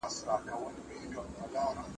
زما د قـــام عسکر دي کۀ لښکرې د تيــمور دي